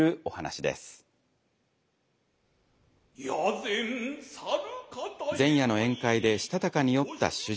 前夜の宴会でしたたかに酔った主人。